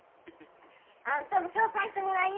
あんたも紹介してもらい！